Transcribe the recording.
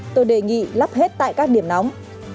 tôi đề nghị lắp hết tại các điểm nóng